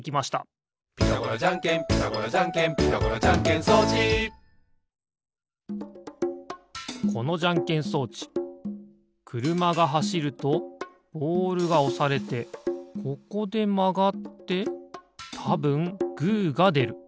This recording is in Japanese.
「ピタゴラじゃんけんピタゴラじゃんけん」「ピタゴラじゃんけん装置」このじゃんけん装置くるまがはしるとボールがおされてここでまがってたぶんグーがでる。